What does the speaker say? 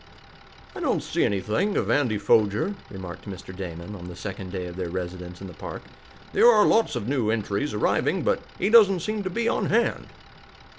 "I don't see anything of Andy Foger," remarked Mr. Damon, on the second day of their residence in the park. "There are lots of new entries arriving, but he doesn't seem to be on hand."